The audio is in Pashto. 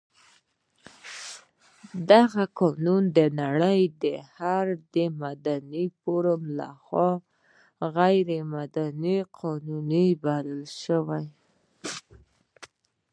دغه قانون د نړۍ د هر مدني فورم لخوا غیر مدني قانون بلل شوی.